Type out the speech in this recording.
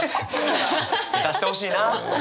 出してほしいな！